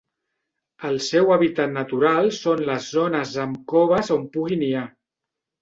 El seu hàbitat natural són les zones amb coves on pugui niar.